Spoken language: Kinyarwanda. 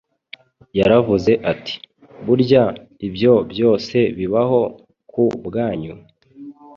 Yaravuze ati: “Burya ibyo byose bibaho ku bwanyu,